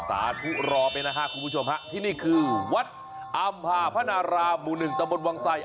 สาธุรอไปนะฮะคุณผู้ชมฮะที่นี่คือวัดอำพาพนารามหมู่หนึ่งตะบนวังไส